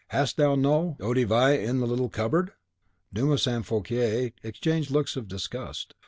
Hast thou no eau de vie in that little cupboard?" Dumas and Fouquier exchanged looks of disgust.